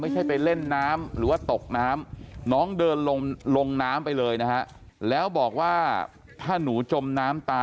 ไม่ใช่ไปเล่นน้ำหรือว่าตกน้ำ